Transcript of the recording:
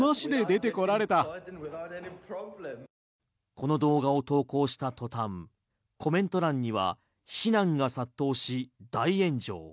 この動画を投稿したとたんコメント欄には非難が殺到し、大炎上。